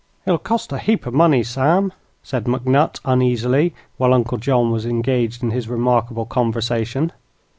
"It'll cost a heap o' money, Sam," said McNutt, uneasily, while Uncle John was engaged in his remarkable conversation.